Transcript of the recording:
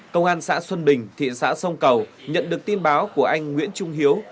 công an xã xuân bình thị xã sông cầu nhận được tin báo của anh nguyễn trung hiếu